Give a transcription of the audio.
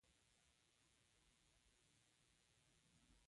ابدالي به خپل وطن ته د ستنېدلو تصمیم ونیسي.